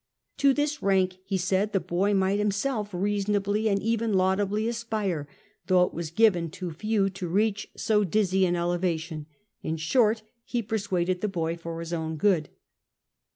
To this rank, he said, the boy might himself reasonably and even laudably aspire, though it was given to few to reach so dizzy an elevation. In short, he persuaded the boy for his own good.